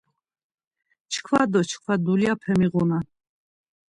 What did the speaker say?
Çkva do çkva dulyape miğunan.